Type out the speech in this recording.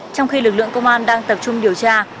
trong khi lực lượng công an đang tập trung địa phương